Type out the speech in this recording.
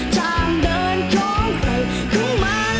ทางเดินของใครคงมัน